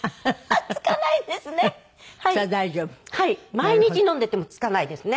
毎日飲んでてもつかないですね。